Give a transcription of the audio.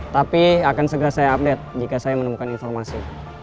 tapi akan segera saya update jika saya menemukan informasi